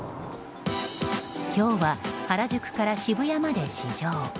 今日は、原宿から渋谷まで試乗。